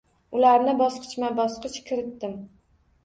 Ularni bosqichma-bosqich kiritdim.